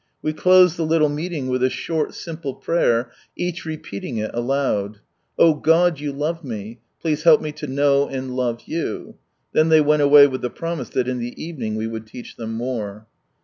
We closed the litdc meeting with a short, simple prayer, each repeating it aloud: " Oh ! God, You love me ; please help me to know and love You." Then they went away with ihe promise that in the evening we would teach thera more.